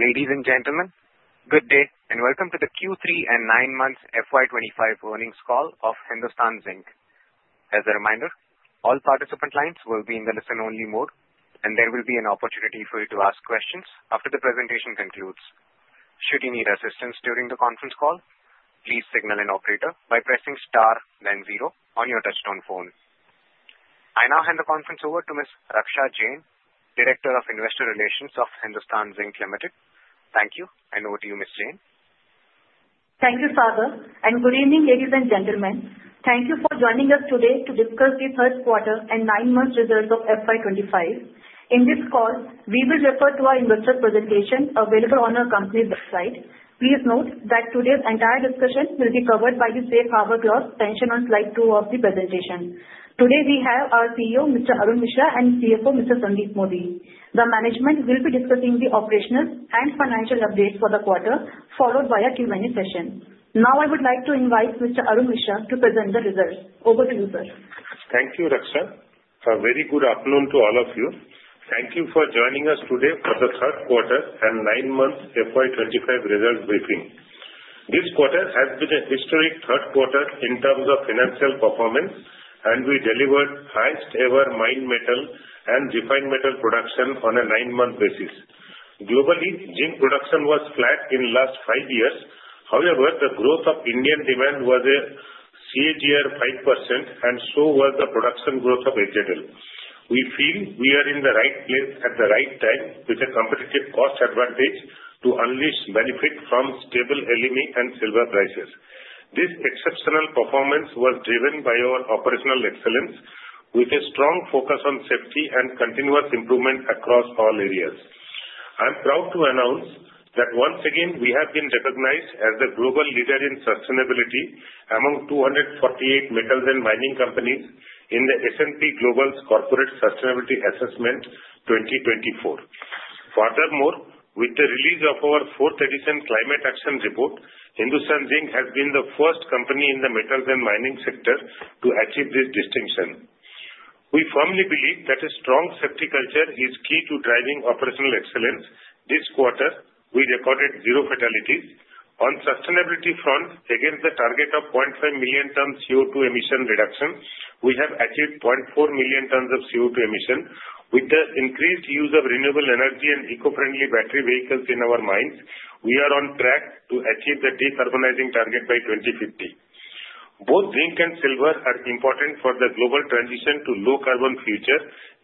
Ladies and gentlemen, good day and welcome to the Q3 and nine-month FY25 earnings call of Hindustan Zinc Limited. As a reminder, all participant lines will be in the listen-only mode, and there will be an opportunity for you to ask questions after the presentation concludes. Should you need assistance during the conference call, please signal an operator by pressing star, then zero, on your touch-tone phone. I now hand the conference over to Ms. Raksha Jain, Director of Investor Relations of Hindustan Zinc Limited. Thank you, and over to you, Ms. Jain. Thank you, Operator. Good evening, ladies and gentlemen. Thank you for joining us today to discuss the third quarter and nine-month results of FY25. In this call, we will refer to our investor presentation available on our company website. Please note that today's entire discussion will be covered by the Safe Harbor Clause mentioned on slide two of the presentation. Today, we have our CEO, Mr. Arun Misra, and CFO, Mr. Sandeep Modi. The management will be discussing the operational and financial updates for the quarter, followed by a Q&A session. Now, I would like to invite Mr. Arun Misra to present the results. Over to you, sir. Thank you, Raksha. A very good afternoon to all of you. Thank you for joining us today for the third quarter and nine-month FY25 results briefing. This quarter has been a historic third quarter in terms of financial performance, and we delivered highest-ever mine metal and refined metal production on a nine-month basis. Globally, zinc production was flat in the last five years. However, the growth of Indian demand was a CAGR of 5%, and so was the production growth of HZL. We feel we are in the right place at the right time with a competitive cost advantage to unleash benefit from stable aluminum and silver prices. This exceptional performance was driven by our operational excellence, with a strong focus on safety and continuous improvement across all areas. I'm proud to announce that once again, we have been recognized as the global leader in sustainability among 248 metals and mining companies in the S&P Global's Corporate Sustainability Assessment 2024. Furthermore, with the release of our fourth edition Climate Action Report, Hindustan Zinc has been the first company in the metals and mining sector to achieve this distinction. We firmly believe that a strong safety culture is key to driving operational excellence. This quarter, we recorded zero fatalities. On the sustainability front, against the target of 0.5 million tons CO2 emission reduction, we have achieved 0.4 million tons of CO2 emission. With the increased use of renewable energy and eco-friendly battery vehicles in our mines, we are on track to achieve the decarbonizing target by 2050. Both zinc and silver are important for the global transition to a low-carbon future,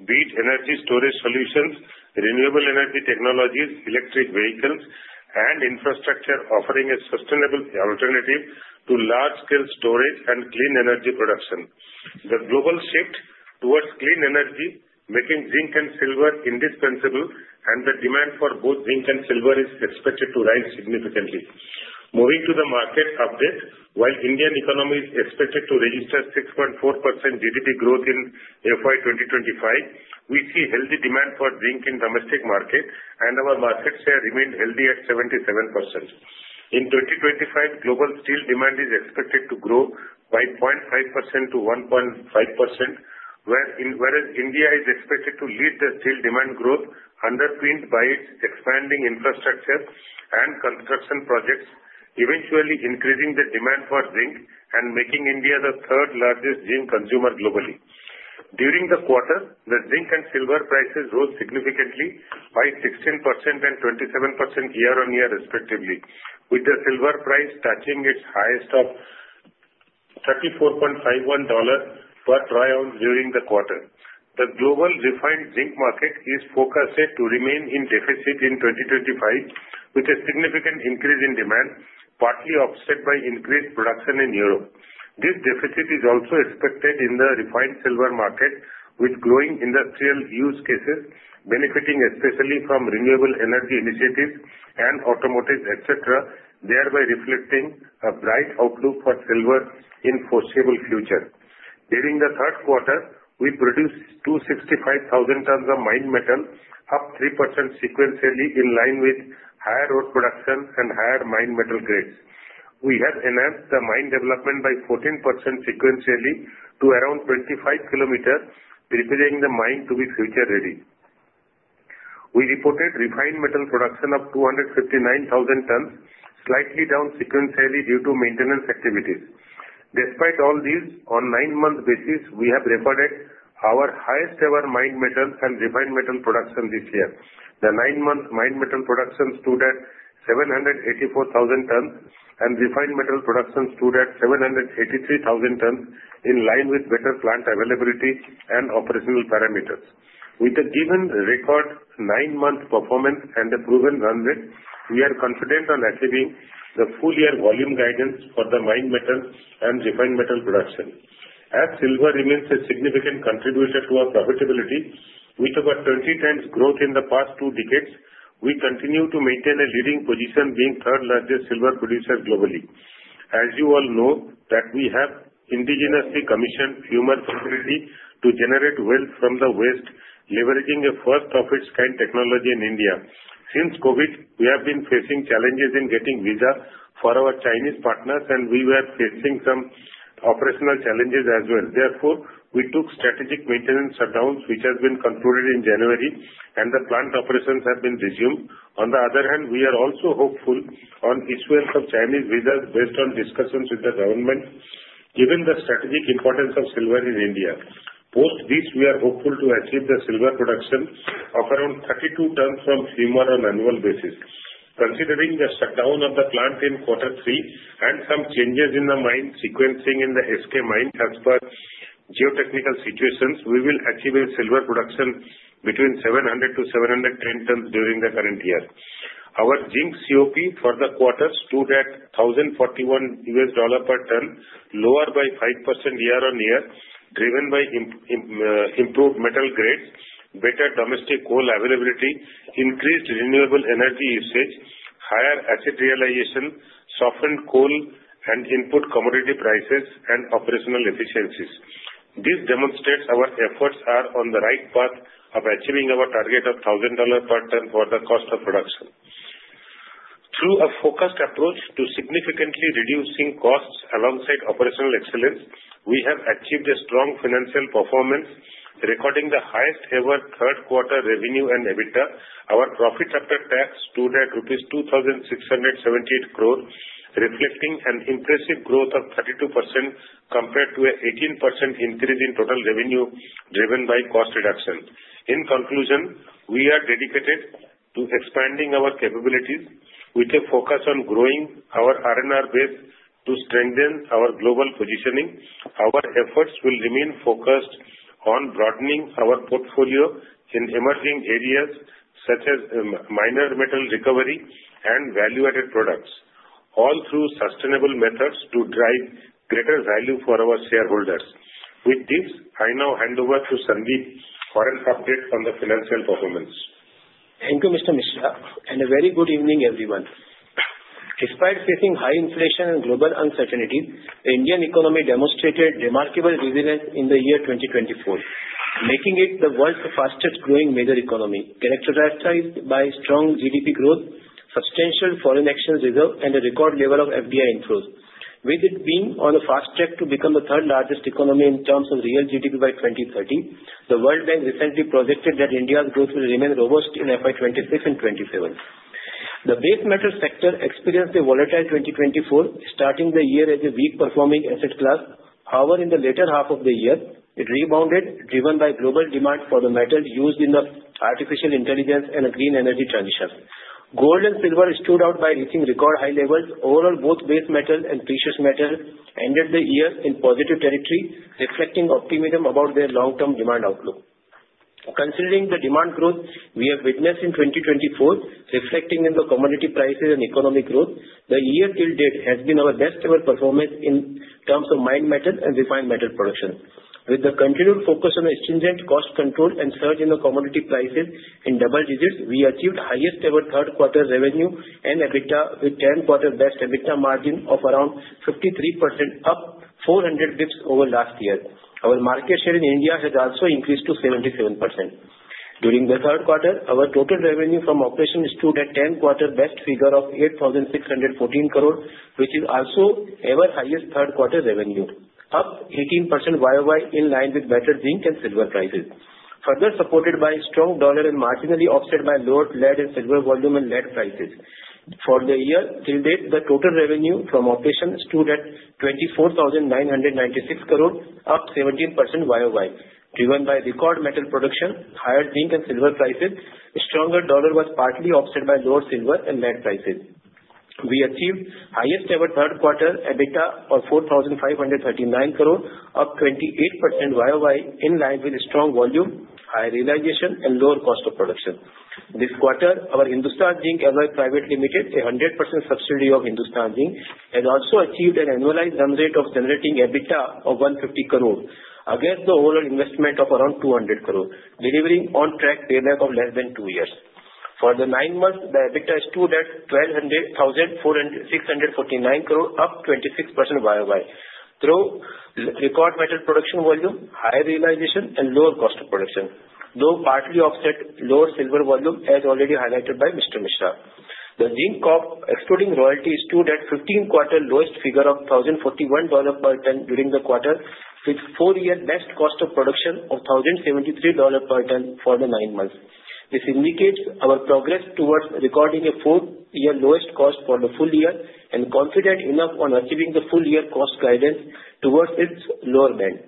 be it energy storage solutions, renewable energy technologies, electric vehicles, and infrastructure offering a sustainable alternative to large-scale storage and clean energy production. The global shift towards clean energy is making zinc and silver indispensable, and the demand for both zinc and silver is expected to rise significantly. Moving to the market update, while the Indian economy is expected to register 6.4% GDP growth in FY2025, we see healthy demand for zinc in the domestic market, and our market cap remained healthy at 77%. In 2025, global steel demand is expected to grow by 0.5%-1.5%, whereas India is expected to lead the steel demand growth, underpinned by its expanding infrastructure and construction projects, eventually increasing the demand for zinc and making India the third-largest zinc consumer globally. During the quarter, the zinc and silver prices rose significantly by 16% and 27% year-on-year, respectively, with the silver price touching its highest of $34.51 per troy ounce during the quarter. The global refined zinc market is forecasted to remain in deficit in 2025, with a significant increase in demand, partly offset by increased production in Europe. This deficit is also expected in the refined silver market, with growing industrial use cases benefiting especially from renewable energy initiatives and automotive, etc., thereby reflecting a bright outlook for silver in the foreseeable future. During the third quarter, we produced 265,000 tons of mine metal, up 3% sequentially in line with higher ore production and higher mine metal grades. We have enhanced the mine development by 14% sequentially to around 25 kilometers, preparing the mine to be future-ready. We reported refined metal production of 259,000 tons, slightly down sequentially due to maintenance activities. Despite all these, on a nine-month basis, we have recorded our highest-ever mine metal and refined metal production this year. The nine-month mine metal production stood at 784,000 tons, and refined metal production stood at 783,000 tons, in line with better plant availability and operational parameters. With the given record nine-month performance and the proven run rate, we are confident on achieving the full-year volume guidance for the mine metal and refined metal production. As silver remains a significant contributor to our profitability, with over 20 times growth in the past two decades, we continue to maintain a leading position, being the third-largest silver producer globally. As you all know, we have indigenously commissioned Fumer facility to generate wealth from the waste, leveraging a first-of-its-kind technology in India. Since COVID, we have been facing challenges in getting visas for our Chinese partners, and we were facing some operational challenges as well. Therefore, we took strategic maintenance shutdowns, which have been concluded in January, and the plant operations have been resumed. On the other hand, we are also hopeful on issuance of Chinese visas based on discussions with the government, given the strategic importance of silver in India. Post this, we are hopeful to achieve the silver production of around 32 tons from Fumer on an annual basis. Considering the shutdown of the plant in Quarter 3 and some changes in the mine sequencing in the SK mine, as per geotechnical situations, we will achieve a silver production between 700-710 tons during the current year. Our zinc COP for the quarter stood at $1,041 per ton, lower by 5% year-on-year, driven by improved metal grades, better domestic coal availability, increased renewable energy usage, higher asset realization, softened coal and input commodity prices, and operational efficiencies. This demonstrates our efforts are on the right path of achieving our target of $1,000 per ton for the cost of production. Through a focused approach to significantly reducing costs alongside operational excellence, we have achieved a strong financial performance, recording the highest-ever third-quarter revenue and EBITDA. Our profit after tax stood at ₹2,678 crore, reflecting an impressive growth of 32% compared to an 18% increase in total revenue driven by cost reduction. In conclusion, we are dedicated to expanding our capabilities with a focus on growing our R&R base to strengthen our global positioning. Our efforts will remain focused on broadening our portfolio in emerging areas such as mine metal recovery and value-added products, all through sustainable methods to drive greater value for our shareholders. With this, I now hand over to Sandeep for his update on the financial performance. Thank you, Mr. Misra, and a very good evening, everyone. Despite facing high inflation and global uncertainty, the Indian economy demonstrated remarkable resilience in the year 2024, making it the world's fastest-growing major economy, characterized by strong GDP growth, substantial foreign exchange reserve, and a record level of FDI inflows. With it being on a fast track to become the third-largest economy in terms of real GDP by 2030, the World Bank recently projected that India's growth will remain robust in FY26 and FY27. The base metal sector experienced a volatile 2024, starting the year as a weak-performing asset class. However, in the later half of the year, it rebounded, driven by global demand for the metal used in artificial intelligence and a green energy transition. Gold and silver stood out by reaching record high levels. Overall, both base metal and precious metal ended the year in positive territory, reflecting optimism about their long-term demand outlook. Considering the demand growth we have witnessed in 2024, reflecting in the commodity prices and economic growth, the year to date has been our best-ever performance in terms of mine metal and refined metal production. With the continued focus on stringent cost control and surge in the commodity prices in double digits, we achieved highest-ever third-quarter revenue and EBITDA, with the 10-quarter best EBITDA margin of around 53%, up 400 basis points over last year. Our market share in India has also increased to 77%. During the third quarter, our total revenue from operations stood at 10-quarter best figure of ₹8,614 crore, which is also our highest third-quarter revenue, up 18% year-on-year, in line with better zinc and silver prices, further supported by strong dollar and marginally offset by lower lead and silver volume and lead prices. For the year till date, the total revenue from operations stood at ₹24,996 crore, up 17% year-on-year, driven by record metal production, higher zinc and silver prices, and a stronger dollar that was partly offset by lower silver and lead prices. We achieved highest-ever third-quarter EBITDA of ₹4,539 crore, up 28% year-on-year, in line with strong volume, high realization, and lower cost of production. This quarter, our Hindustan Zinc Alloys Private Limited, a 100% subsidiary of Hindustan Zinc, has also achieved an annualized run rate of generating EBITDA of ₹150 crore, against the overall investment of around ₹200 crore, delivering on track payback of less than two years. For the nine months, the EBITDA stood at ₹12,649 crore, up 26% year-on-year, through record metal production volume, high realization, and lower cost of production, though partly offset by lower silver volume, as already highlighted by Mr. Misra. The zinc excluding royalty stood at the 15-quarter lowest figure of $1,041 per ton during the quarter, with the four-year best cost of production of $1,073 per ton for the nine months. This indicates our progress towards recording a four-year lowest cost for the full year and confident enough on achieving the full-year cost guidance towards its lower band.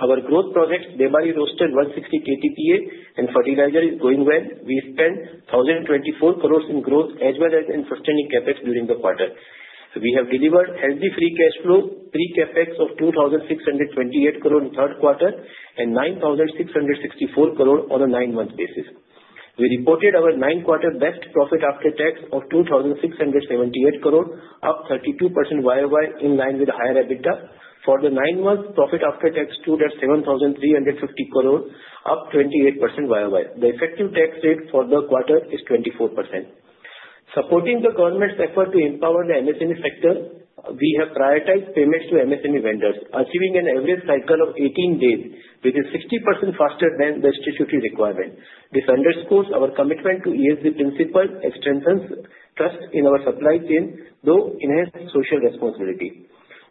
Our growth projects, Debari Roaster 160 KTPA and Fertilizer, are going well. We spent 1,024 crore in growth, as well as in sustaining CapEx during the quarter. We have delivered healthy free cash flow, Free Cash Flow of 2,628 crore in the third quarter and 9,664 crore on a nine-month basis. We reported our nine-quarter best profit after tax of INR 2,678 crore, up 32% year-on-year, in line with higher EBITDA. For the nine months, profit after tax stood at 7,350 crore, up 28% year-on-year. The effective tax rate for the quarter is 24%. Supporting the government's effort to empower the MSME sector, we have prioritized payments to MSME vendors, achieving an average cycle of 18 days, which is 60% faster than the statutory requirement. This underscores our commitment to ESG principles, extends trust in our supply chain, through enhanced social responsibility.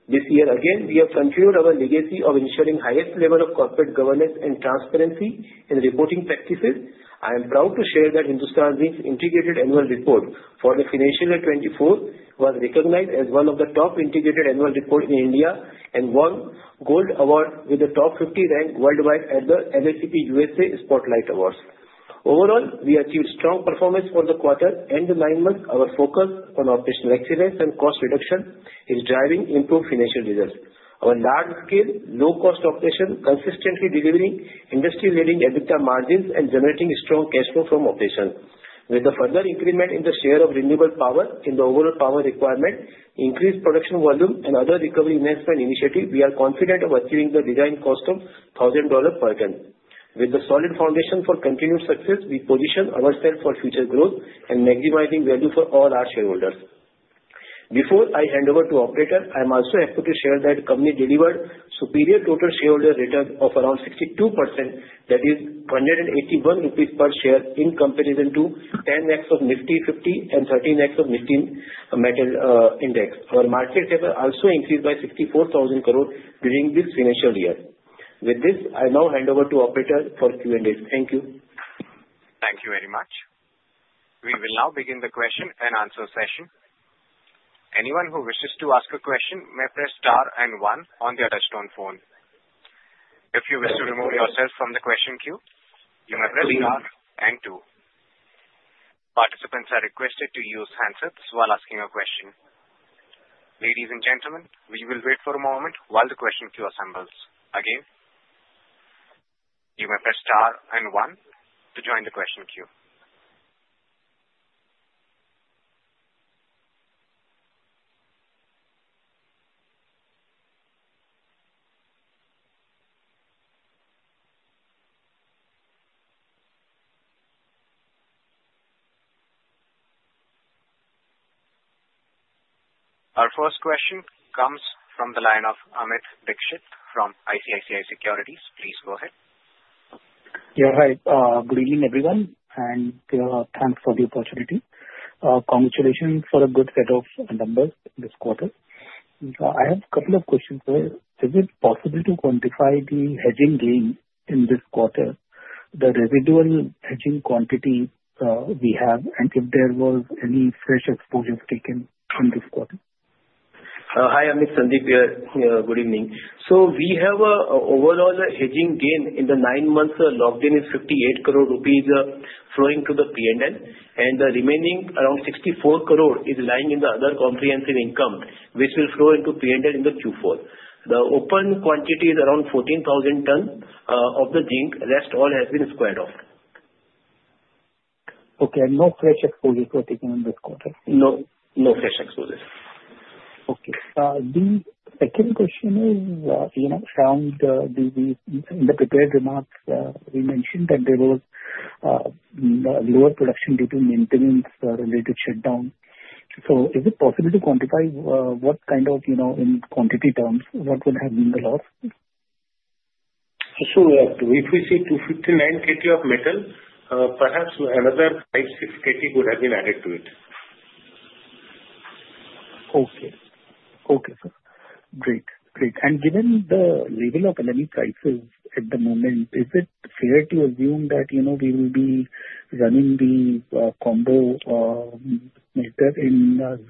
This year again, we have continued our legacy of ensuring the highest level of corporate governance and transparency in reporting practices. I am proud to share that Hindustan Zinc's integrated annual report for the financial year 2024 was recognized as one of the top integrated annual reports in India and won the Gold Award, with the top 50 ranked worldwide at the LACP Spotlight Awards. Overall, we achieved strong performance for the quarter and the nine months. Our focus on operational excellence and cost reduction is driving improved financial results. Our large-scale, low-cost operations are consistently delivering industry-leading EBITDA margins and generating strong cash flow from operations. With the further increment in the share of renewable power in the overall power requirement, increased production volume, and other recovery investment initiatives, we are confident in achieving the designed cost of $1,000 per ton. With the solid foundation for continued success, we position ourselves for future growth and maximizing value for all our shareholders. Before I hand over to the operator, I am also happy to share that the company delivered a superior total shareholder return of around 62%, that is ₹181 per share, in comparison to 10X of Nifty 50 and 13X of Nifty Metal Index. Our market share also increased by ₹64,000 crore during this financial year. With this, I now hand over to the operator for Q&A. Thank you. Thank you very much. We will now begin the question and answer session. Anyone who wishes to ask a question may press star and one on the touch-tone phone. If you wish to remove yourself from the question queue, you may press star and two. Participants are requested to use handsets while asking a question. Ladies and gentlemen, we will wait for a moment while the question queue assembles. Again, you may press star and one to join the question queue. Our first question comes from the line of Amit Dixit from ICICI Securities. Please go ahead. Yeah, hi. Good evening, everyone, and thanks for the opportunity. Congratulations for a good set of numbers this quarter. I have a couple of questions. Is it possible to quantify the hedging gain in this quarter, the residual hedging quantity we have, and if there was any fresh exposure taken in this quarter? Hi, Amit. Sandeep here. Good evening. So we have an overall hedging gain in the nine months logged in is ₹58 crore flowing to the P&L, and the remaining around ₹64 crore is lying in the other comprehensive income, which will flow into P&L in the Q4. The open quantity is around 14,000 tons of the zinc. The rest all has been squared off. Okay. No fresh exposure taken in this quarter? No. No fresh exposure. Okay. The second question is around the prepared remarks. We mentioned that there was lower production due to maintenance-related shutdown. So is it possible to quantify what kind of, in quantity terms, what would have been the loss? So if we say 259 KT of metal, perhaps another 5, 6 KT would have been added to it. Okay. Great. Given the level of energy crisis at the moment, is it fair to assume that we will be running the combo smelter in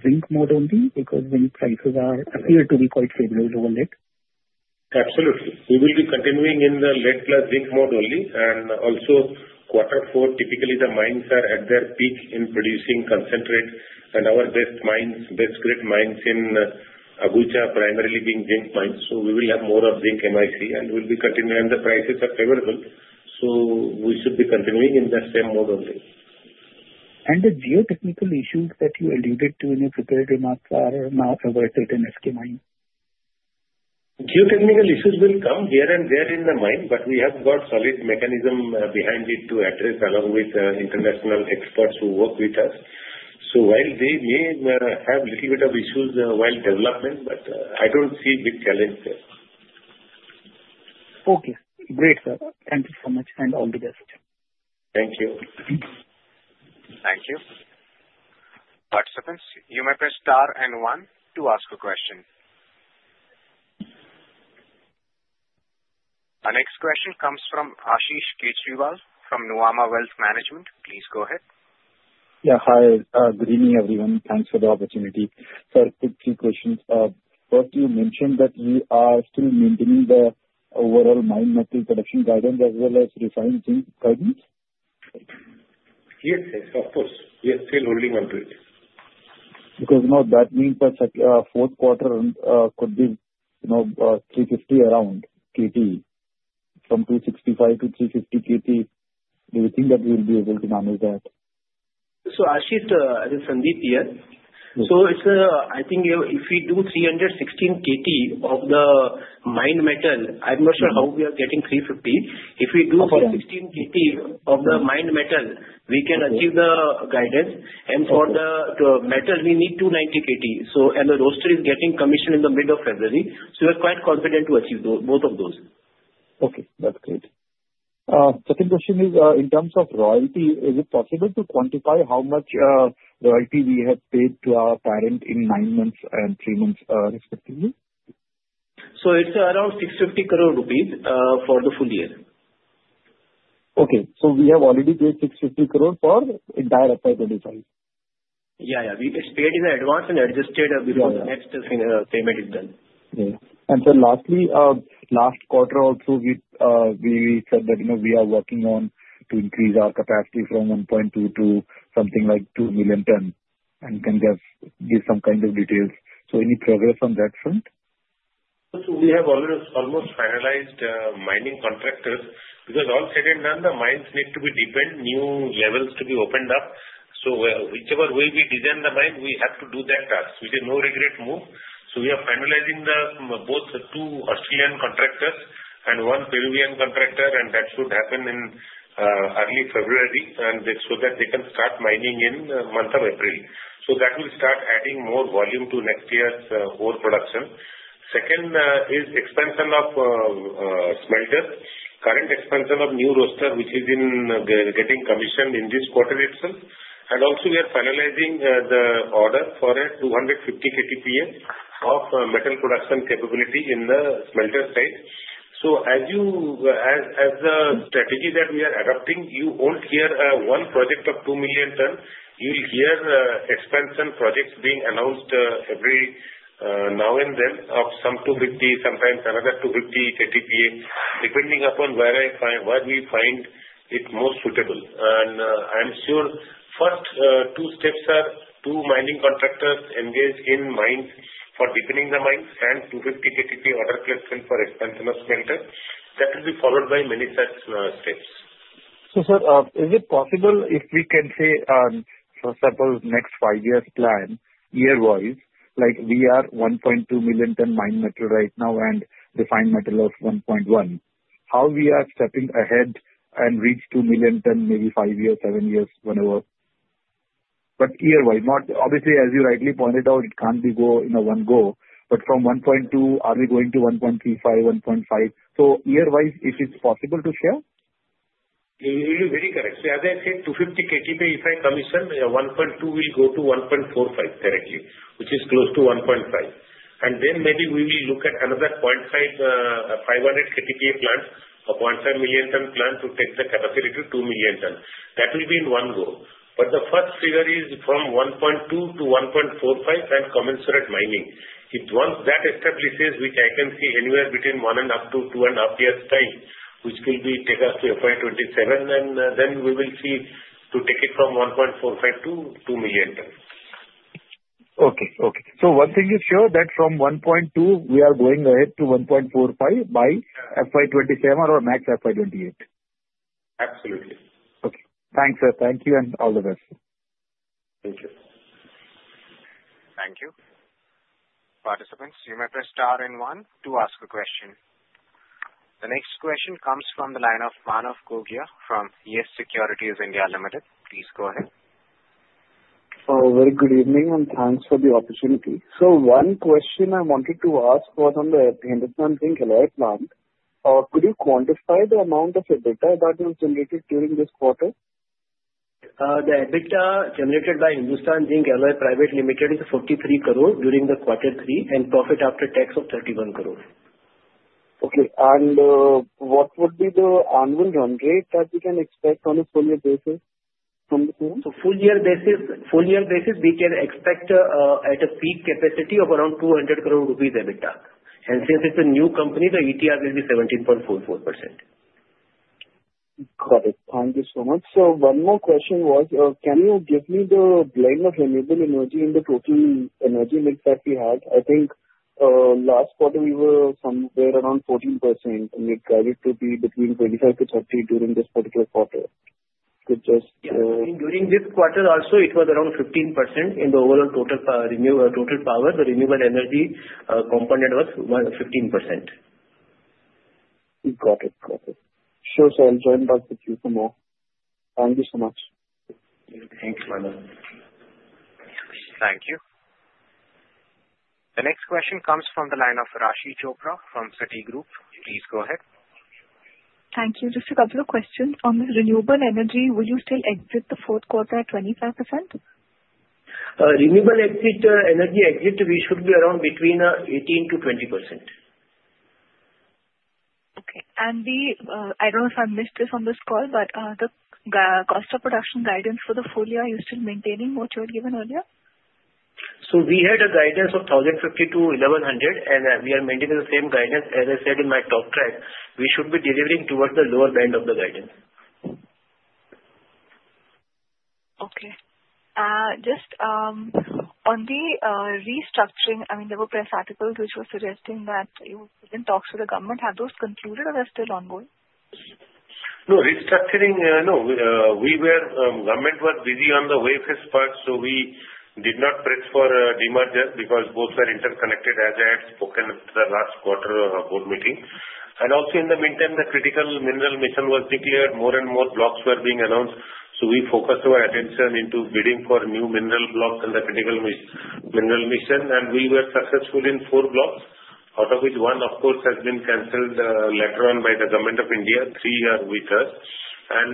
zinc mode only because zinc prices appear to be quite favorable over lead? Absolutely, we will be continuing in the lead-plus zinc mode only, and also, in Quarter 4, typically, the mines are at their peak in producing concentrate, and our best mines, best grade mines in Rampura Agucha, primarily being zinc mines, so we will have more of zinc mine metal, and we will be continuing, and the prices are favorable, so we should be continuing in the same mode only. The geotechnical issues that you alluded to in your prepared remarks are now avoided in SK mine? Geotechnical issues will come here and there in the mine, but we have got solid mechanism behind it to address along with international experts who work with us. So while they may have a little bit of issues while development, but I don't see a big challenge there. Okay. Great, sir. Thank you so much, and all the best. Thank you. Thank you. Participants, you may press star and one to ask a question. Our next question comes from Ashish Kejriwal from Nuvama Wealth Management. Please go ahead. Yeah. Hi. Good evening, everyone. Thanks for the opportunity. Sir, quick few questions. First, you mentioned that you are still maintaining the overall mine metal production guidance as well as refined zinc guidance? Yes, yes. Of course. We are still holding onto it. Because that means the fourth quarter could be around 350 KT from 265 to 350 KT. Do you think that we will be able to manage that? Ashish, this is Sandeep here. I think if we do 316 KT of the mine metal, I'm not sure how we are getting 350. If we do 316 KT of the mine metal, we can achieve the guidance. For the metal, we need 290 KT. The roaster is getting commissioned in the middle of February. We are quite confident to achieve both of those. Okay. That's great. Second question is, in terms of royalty, is it possible to quantify how much royalty we have paid to our parent in nine months and three months, respectively? It's around 650 crore rupees for the full year. Okay. So we have already paid 650 crore for the entire FY25? Yeah, yeah. It's paid in advance and adjusted before the next payment is done. And Sir, lastly, last quarter also, we said that we are working on to increase our capacity from 1.2 to something like two million tons. And can you give some kind of details? So any progress on that front? We have almost finalized mining contractors because once they're done, the mines need to be deepened, new levels to be opened up. Whichever way we design the mine, we have to do that task. We can no regret move. We are finalizing both two Australian contractors and one Peruvian contractor, and that should happen in early February so that they can start mining in the month of April. That will start adding more volume to next year's overproduction. Second is expansion of smelter, current expansion of new roaster, which is getting commissioned in this quarter itself. Also, we are finalizing the order for a 250 KTPA of metal production capability in the smelter site. As the strategy that we are adopting, you won't hear one project of two million ton. You will hear expansion projects being announced every now and then of some 250, sometimes another 250 KTPA, depending upon where we find it most suitable. And I'm sure first two steps are two mining contractors engaged in mines for deepening the mines and 250 KTPA order placement for expansion of smelter. That will be followed by many such steps. So sir, is it possible if we can say, for example, next five years' plan, year-wise, like we are 1.2 million ton mine metal right now and refined metal of 1.1, how we are stepping ahead and reach 2 million ton maybe five years, seven years, whenever? But year-wise, obviously, as you rightly pointed out, it can't be one go. But from 1.2, are we going to 1.35, 1.5? So year-wise, if it's possible to share? You're very correct. So as I said, 250 KTPA, if I commission, 1.2 will go to 1.45 directly, which is close to 1.5. And then maybe we will look at another 0.5, 500 KTPA plant, a 0.5 million ton plant to take the capacity to 2 million ton. That will be in one go. But the first figure is from 1.2 to 1.45 and commensurate mining. Once that establishes, which I can see anywhere between one and up to two and a half years' time, which will take us to FY27, and then we will see to take it from 1.45 to 2 million ton. One thing is sure, that from 1.2, we are going ahead to 1.45 by FY27 or max FY28? Absolutely. Okay. Thanks, sir. Thank you and all the best. Thank you. Thank you. Participants, you may press star and one to ask a question. The next question comes from the line of Manav Gogia from YES Securities (India) Limited. Please go ahead. Very good evening and thanks for the opportunity. So one question I wanted to ask was on the Hindustan Zinc Alloy Plant. Could you quantify the amount of EBITDA that was generated during this quarter? The EBITDA generated by Hindustan Zinc Alloys Private Limited is ₹43 crore during the quarter three and profit after tax of ₹31 crore. Okay. And what would be the annual run rate that we can expect on a full-year basis from this year? Full-year basis, we can expect at a peak capacity of around ₹200 crore EBITDA. Since it's a new company, the ETR will be 17.44%. Got it. Thank you so much. So one more question was, can you give me the blend of renewable energy in the total energy mix that we had? I think last quarter, we were somewhere around 14%. We've guided to be between 25% to 30% during this particular quarter. Could you just? Yeah. During this quarter also, it was around 15% in the overall total power. The renewable energy component was 15%. Got it. Got it. Sure, sir. I'll join back with you tomorrow. Thank you so much. Thank you, Manav. Thank you. The next question comes from the line of Raashi Chopra from Citigroup. Please go ahead. Thank you. Just a couple of questions. On the renewable energy, will you still exit the fourth quarter at 25%? Renewable energy mix, we should be around between 18%-20%. Okay. And I don't know if I missed this on this call, but the cost of production guidance for the full year, are you still maintaining what you had given earlier? So we had a guidance of 1,050 to 1,100, and we are maintaining the same guidance. As I said in my talk track, we should be delivering towards the lower band of the guidance. Okay. Just on the restructuring, I mean, there were press articles which were suggesting that you didn't talk to the government. Have those concluded or they're still ongoing? No. Restructuring, no. Government was busy on the OFS part, so we did not press for demerger because both were interconnected as I had spoken at the last quarter board meeting. Also, in the meantime, the Critical Minerals Mission was declared. More and more blocks were being announced, so we focused our attention into bidding for new mineral blocks and the Critical Minerals Mission. We were successful in four blocks, out of which one, of course, has been canceled later on by the Government of India. Three are with us.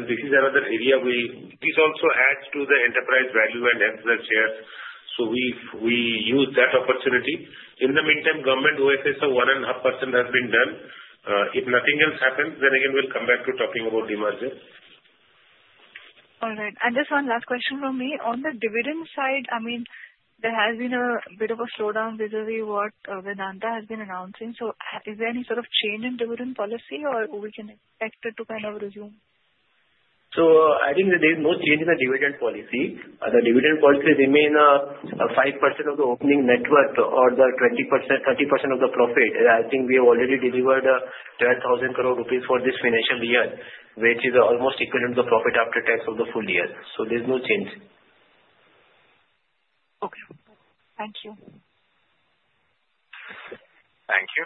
This is another area this also adds to the enterprise value and helps the shares. We use that opportunity. In the meantime, government OFS of 1.5% has been done. If nothing else happens, then again, we'll come back to talking about demerger. All right, and just one last question from me. On the dividend side, I mean, there has been a bit of a slowdown vis-à-vis what Vedanta has been announcing, so is there any sort of change in dividend policy, or we can expect it to kind of resume? I think there is no change in the dividend policy. The dividend policy remains 5% of the opening net worth or the 20%, 30% of the profit. I think we have already delivered ₹12,000 crore for this financial year, which is almost equivalent to the profit after tax of the full year. There's no change. Okay. Thank you. Thank you.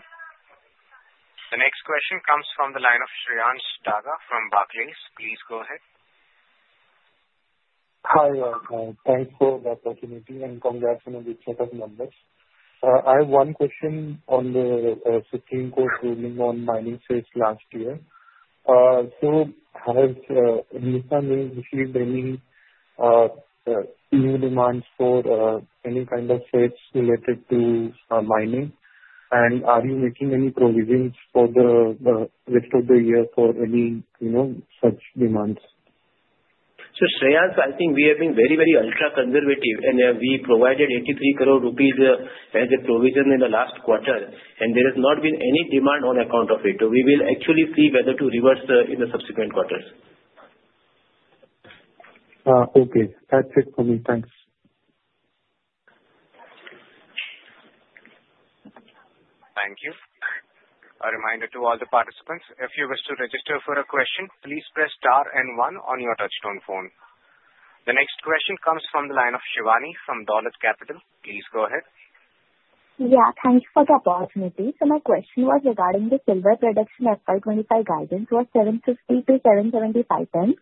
The next question comes from the line of Shreyans Daga from Barclays. Please go ahead. Hi, thank you for the opportunity and congratulations on the set of numbers. I have one question on the Supreme Court ruling on mining sales last year. So has Hindustan Zinc received any new demands for any kind of sales related to mining? And are you making any provisions for the rest of the year for any such demands? So Shreyansh, I think we have been very, very ultra-conservative, and we provided ₹83 crore as a provision in the last quarter, and there has not been any demand on account of it. We will actually see whether to reverse in the subsequent quarters. Okay. That's it for me. Thanks. Thank you. A reminder to all the participants, if you wish to register for a question, please press star and one on your touchtone phone. The next question comes from the line of Shivani from Dolat Capital. Please go ahead. Yeah. Thank you for the opportunity. So my question was regarding the silver production FY25 guidance was 750-775 tons,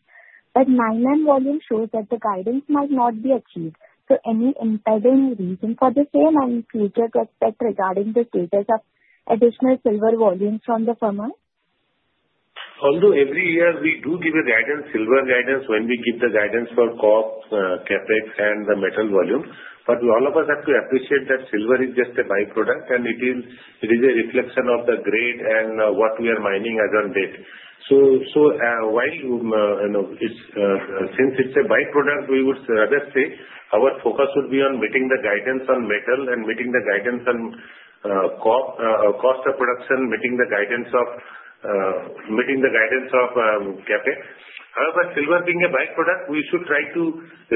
but nine-month volume shows that the guidance might not be achieved. So any impeding reason for the same and future to expect regarding the status of additional silver volumes from the Fumer? Although every year we do give a guidance, silver guidance, when we give the guidance for copper, CapEx, and the metal volume, but all of us have to appreciate that silver is just a byproduct, and it is a reflection of the grade and what we are mining as on date. So while since it's a byproduct, we would rather say our focus would be on meeting the guidance on metal and meeting the guidance on cost of production, meeting the guidance of CapEx. However, silver being a byproduct, we should try to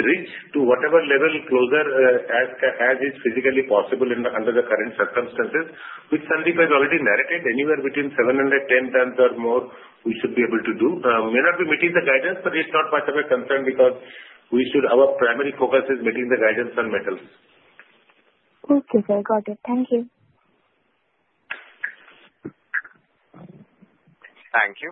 reach to whatever level closer as is physically possible under the current circumstances, which Sandeep has already narrated, anywhere between 710 tons or more we should be able to do. May not be meeting the guidance, but it's not much of a concern because our primary focus is meeting the guidance on metals. Okay. Very good. Thank you. Thank you.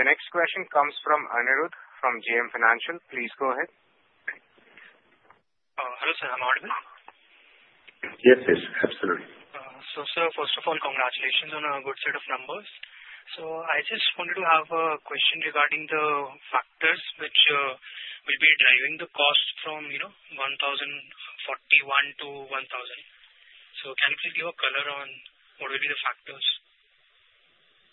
The next question comes from Aniruddh from JM Financial. Please go ahead. Hello, sir. Am I audible? Yes, yes. Absolutely. Sir, first of all, congratulations on a good set of numbers. I just wanted to have a question regarding the factors which will be driving the cost from $1,041 to $1,000. Can you please give a color on what will be the factors?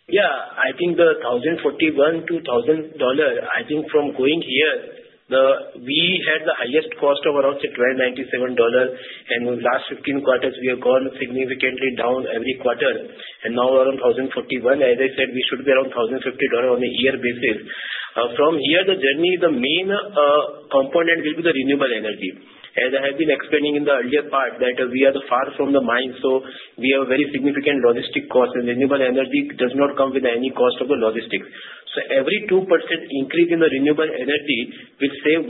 Yeah. I think the $1,041 to $1,000. I think from going here, we had the highest cost of around $1,297, and in the last 15 quarters, we have gone significantly down every quarter, and now we're around $1,041. As I said, we should be around $1,050 on a year basis. From here, the journey, the main component will be the renewable energy. As I have been explaining in the earlier part, that we are far from the mine, so we have very significant logistic costs, and renewable energy does not come with any cost of the logistics. So every 2% increase in the renewable energy will save $1.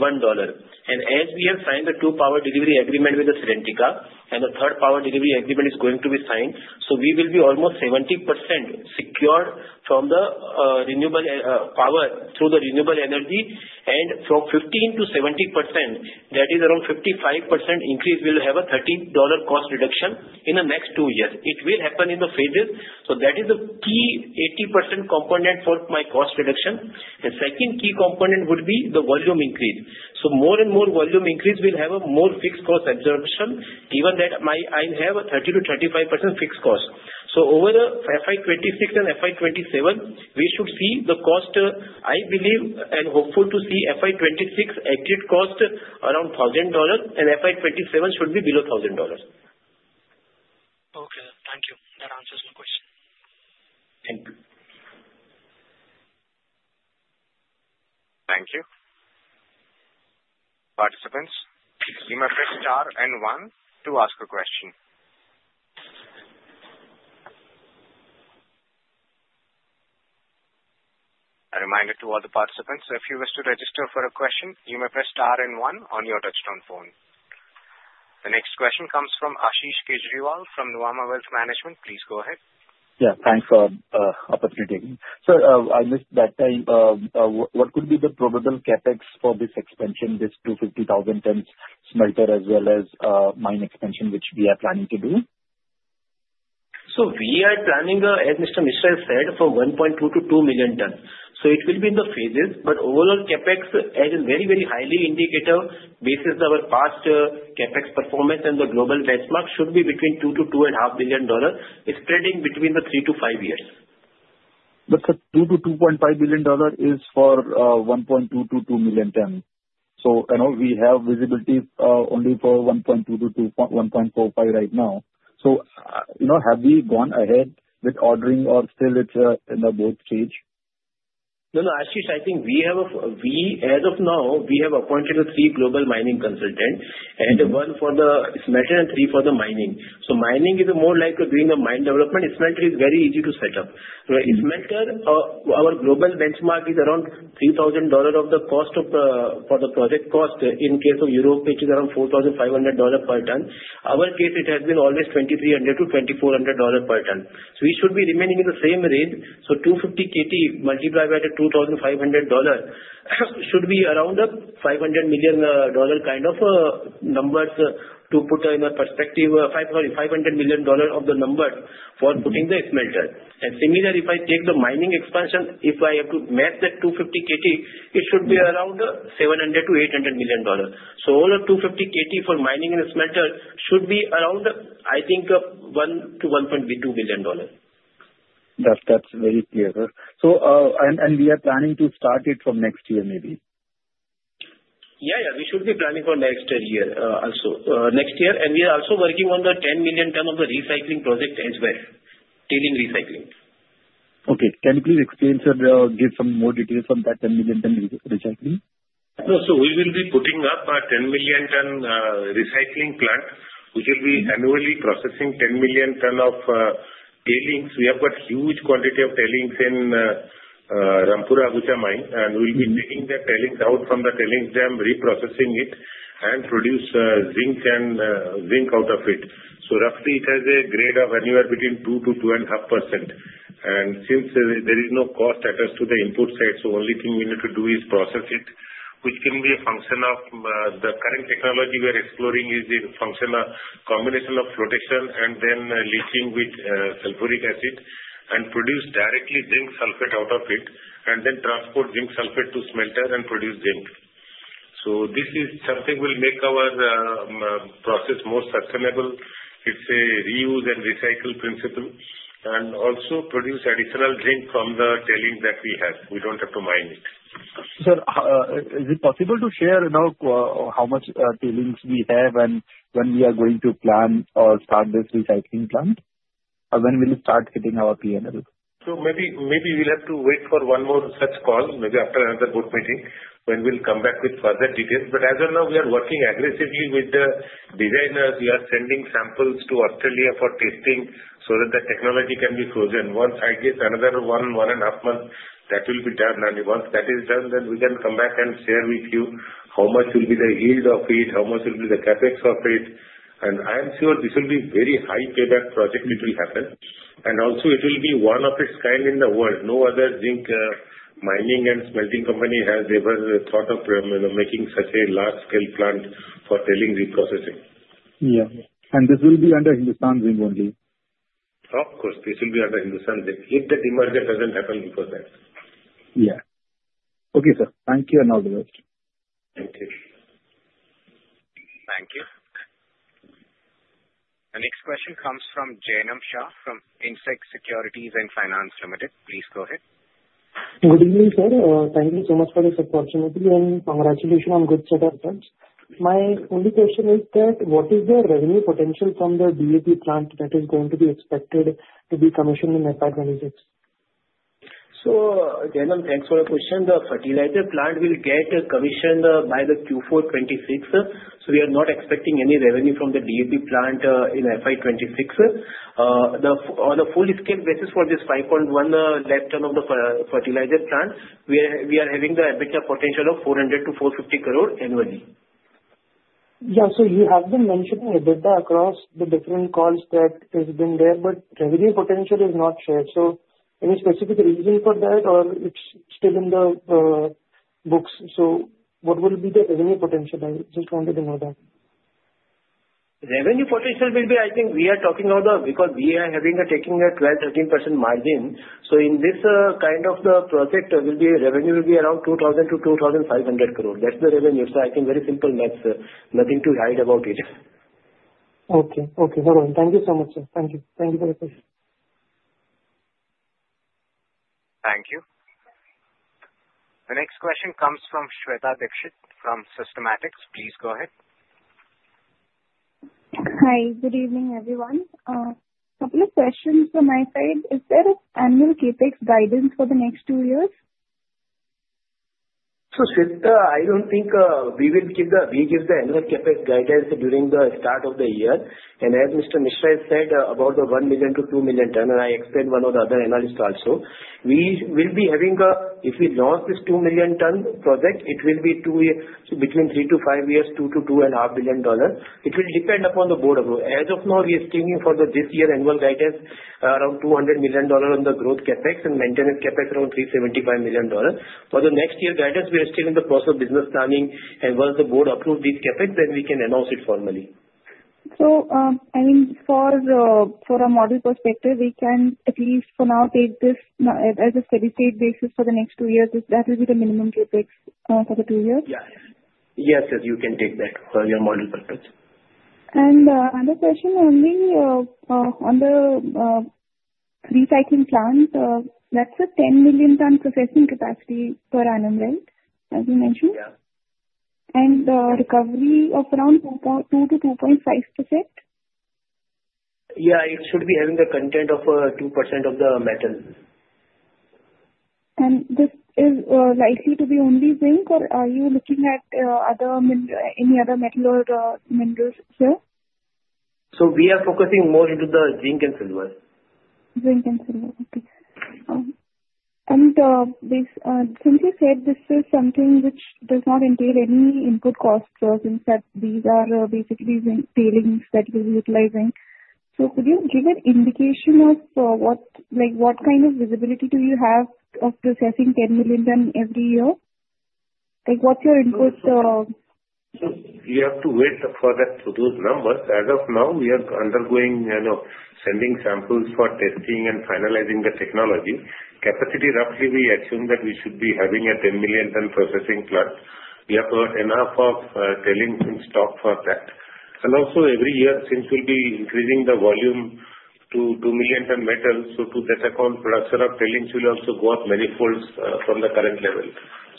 And as we have signed the two power delivery agreements with Serentica, and the third power delivery agreement is going to be signed, so we will be almost 70% secured from the renewable power through the renewable energy. From 15%-70%, that is around a 55% increase. We will have a $30 cost reduction in the next two years. It will happen in the phases. That is the key 80% component for my cost reduction. The second key component would be the volume increase. More and more volume increase will have a more fixed cost absorption, given that I have a 30%-35% fixed cost. Over FY26 and FY27, we should see the cost. I believe and hopeful to see FY26 exit cost around $1,000, and FY27 should be below $1,000. Okay. Thank you. That answers my question. Thank you. Thank you. Participants, you may press star and one to ask a question. A reminder to all the participants, if you wish to register for a question, you may press star and one on your touch-tone phone. The next question comes from Ashish Kejriwal from Nuvama Wealth Management. Please go ahead. Yeah. Thanks for the opportunity. Sir, I missed that time. What could be the probable CapEx for this expansion, this 250,000 tons smelter, as well as mine expansion, which we are planning to do? We are planning, as Mr. Misra said, for 1.2-2 million tons. It will be in the phases, but overall CapEx, as a very, very highly indicative basis, our past CapEx performance and the global benchmark should be between $2-$2.5 billion, spreading between 3-5 years. But the $2-$2.5 billion is for 1.2-2 million tons. So we have visibility only for 1.2-1.45 right now. So have we gone ahead with ordering, or still it's in the growth stage? No, no. Ashish, I think we have, as of now, we have appointed three global mining consultants, and one for the smelter and three for the mining. So mining is more like doing a mine development. Smelter is very easy to set up. Smelter, our global benchmark is around $3,000 of the cost for the project cost. In case of Europe, it is around $4,500 per ton. Our case, it has been always $2,300-$2,400 per ton. So we should be remaining in the same range. So 250 KT multiplied by the $2,500 should be around a $500 million kind of numbers to put in a perspective, sorry, $500 million of the numbers for putting the smelter. And similarly, if I take the mining expansion, if I have to match that 250 KT, it should be around $700-$800 million. All of 250 KT for mining and smelter should be around, I think, $1-$1.2 billion. That's very clear, sir. And we are planning to start it from next year maybe. Yeah, yeah. We should be planning for next year also. Next year, and we are also working on the 10 million ton of the recycling project as well, tailings recycling. Okay. Can you please explain, sir, give some more details on that 10 million ton recycling? No, so we will be putting up a 10 million ton recycling plant, which will be annually processing 10 million tons of tailings. We have got huge quantity of tailings in Rampura Agucha mine, and we'll be taking the tailings out from the tailings dam, reprocessing it, and produce zinc out of it. So roughly, it has a grade of anywhere between 2%-2.5%. And since there is no cost attached to the input side, so the only thing we need to do is process it, which can be a function of the current technology we are exploring is a function of combination of flotation and then leaching with sulfuric acid and produce directly zinc sulfate out of it, and then transport zinc sulfate to smelter and produce zinc. So this is something that will make our process more sustainable. It's a reuse and recycle principle, and also produce additional zinc from the tailings that we have. We don't have to mine it. Sir, is it possible to share now how much tailings we have and when we are going to plan or start this recycling plant? When will it start hitting our P&L? So maybe we'll have to wait for one more such call, maybe after another board meeting, when we'll come back with further details. But as of now, we are working aggressively with the designers. We are sending samples to Australia for testing so that the technology can be frozen. Once I guess another one, one and a half months, that will be done. And once that is done, then we can come back and share with you how much will be the yield of it, how much will be the CapEx of it. And I am sure this will be a very high-payback project which will happen. And also, it will be one of a kind in the world. No other zinc mining and smelting company has ever thought of making such a large-scale plant for tailings reprocessing. Yeah. And this will be under Hindustan Zinc only? Of course. This will be under Hindustan Zinc if the demerger doesn't happen before that. Yeah. Okay, sir. Thank you and all the best. Thank you. Thank you. The next question comes from Jainam Shah from Indsec Securities and Finance Limited. Please go ahead. Good evening, sir. Thank you so much for this opportunity and congratulations on good set of results. My only question is that what is the revenue potential from the DAP plant that is going to be expected to be commissioned in FY26? So Jainam, thanks for the question. The fertilizer plant will get commissioned by Q4 26. So we are not expecting any revenue from the DAP plant in FY26. On a full-scale basis for this 5.1 lakh tonnes of the fertilizer plant, we are having the EBITDA potential of ₹400-450 crore annually. Yeah. So you have been mentioning EBITDA across the different calls that have been there, but revenue potential is not shared. So any specific reason for that, or it's still in the books? So what will be the revenue potential? I just wanted to know that. Revenue potential will be, I think we are talking about because we are having a 12%-13% margin. So in this kind of the project, revenue will be around ₹2,000-2,500 crore. That's the revenue. So I think very simple math, sir. Nothing to hide about it. Okay. Okay. Very well. Thank you so much, sir. Thank you. Thank you for the question. Thank you. The next question comes from Shweta Dixit from Systematix. Please go ahead. Hi. Good evening, everyone. A couple of questions from my side. Is there an annual CapEx guidance for the next two years? Shwetha, I don't think we will give the annual CapEx guidance during the start of the year. And as Mr. Misra said about the 1-2 million tons, and I explained one of the other analysts also, we will be having a if we launch this 2 million-ton project, it will be between 3-5 years, $2-2.5 billion. It will depend upon the board of. As of now, we are sticking for this year's annual guidance around $200 million on the growth CapEx and maintenance CapEx around $375 million. For the next year's guidance, we are still in the process of business planning, and once the board approves this CapEx, then we can announce it formally. So I mean, for a model perspective, we can at least for now take this as a steady-state basis for the next two years. That will be the minimum CapEx for the two years? Yes. Yes, sir. You can take that for your model purpose. Another question only on the recycling plant. That's a 10 million ton processing capacity per annum, right, as you mentioned? Yeah. The recovery of around 2%-2.5%? Yeah. It should be having the content of 2% of the metal. This is likely to be only zinc, or are you looking at any other metal or minerals here? We are focusing more into the zinc and silver. Zinc and silver. Okay. And since you said this is something which does not entail any input costs, those things that these are basically tailings that you're utilizing. So could you give an indication of what kind of visibility do you have of processing 10 million tons every year? What's your input? So you have to wait for those numbers. As of now, we are undergoing sending samples for testing and finalizing the technology. Capacity, roughly, we assume that we should be having a 10 million ton processing plant. We have enough of tailings in stock for that. And also, every year, since we'll be increasing the volume to 2 million ton metal, so to that account, production of tailings will also go up many folds from the current level.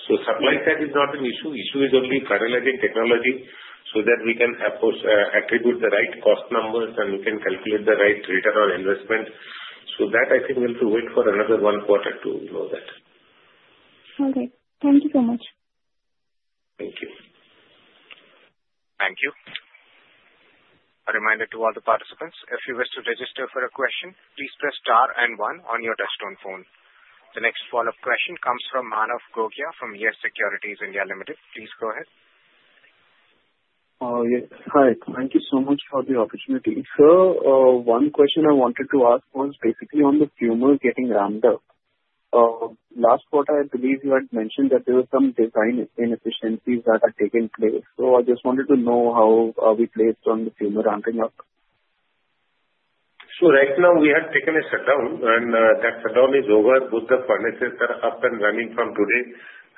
So supply side is not an issue. The issue is only finalizing technology so that we can attribute the right cost numbers, and we can calculate the right return on investment. So that, I think, we'll have to wait for another one quarter to know that. Okay. Thank you so much. Thank you. Thank you. A reminder to all the participants, if you wish to register for a question, please press star and one on your touchtone phone. The next follow-up question comes from Manav Gogia from YES Securities. Please go ahead. Yes. Hi. Thank you so much for the opportunity. Sir, one question I wanted to ask was basically on the Fumer getting ramped up. Last quarter, I believe you had mentioned that there were some design inefficiencies that had taken place. So I just wanted to know how are we placed on the Fumer ramping up? So right now, we have taken a shutdown, and that shutdown is over. Both the furnaces are up and running from today.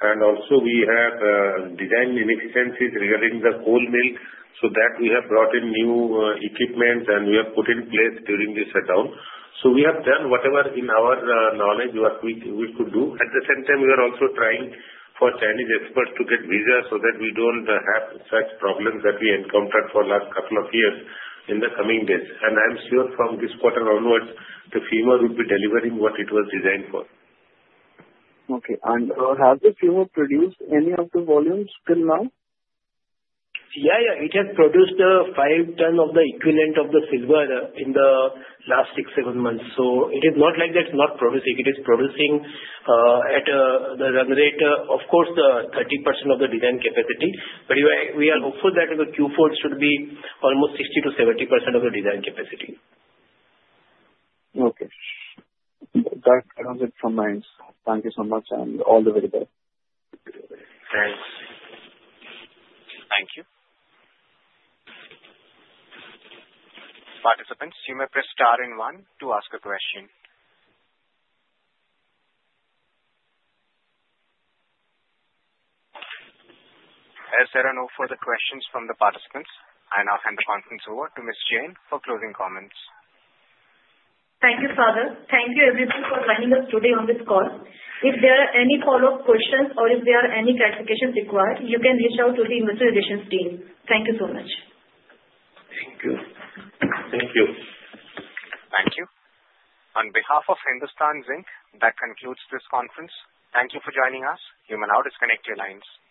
And also, we have design inefficiencies regarding the coal mill, so that we have brought in new equipment, and we have put in place during the shutdown. So we have done whatever, in our knowledge, what we could do. At the same time, we are also trying for Chinese experts to get visas so that we don't have such problems that we encountered for the last couple of years in the coming days. And I'm sure from this quarter onwards, the Fumer will be delivering what it was designed for. Okay, and has the Fumer produced any of the volumes till now? Yeah, yeah. It has produced 5 tons of the equivalent of the silver in the last 6-7 months. So it is not like that it's not producing. It is producing at the rate of, of course, 30% of the design capacity. But we are hopeful that in the Q4, it should be almost 60%-70% of the design capacity. Okay. That covers it from my end. Thank you so much, and all the very best. Thanks. Thank you. Participants, you may press star and one to ask a question. As there are no further questions from the participants, I now hand the conference over to Ms. Jain for closing comments. Thank you, Operator. Thank you, everyone, for joining us today on this call. If there are any follow-up questions or if there are any clarifications required, you can reach out to the Investor Relations team. Thank you so much. Thank you. Thank you. Thank you. On behalf of Hindustan Zinc, that concludes this conference. Thank you for joining us. You may now disconnect your lines.